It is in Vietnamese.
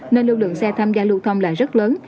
nên lưu lượng xe tham gia lưu thông là rất lớn